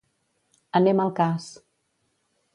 Anem al cas.